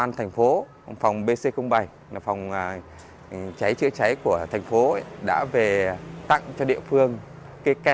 công an thành phố phòng bc bảy phòng cháy chữa cháy của thành phố đã về tặng cho địa phương cây kè